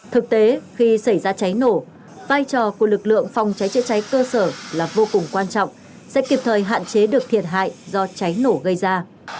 thực tế khi xảy ra cháy nổ vai trò của lực lượng phòng cháy chữa cháy cơ sở là vô cùng quan trọng sẽ kịp thời hạn chế được thiệt hại do cháy nổ gây ra